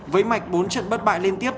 với mạch bốn trận bất bại liên tiếp